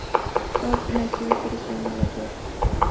Shor nació y creció en Nueva York.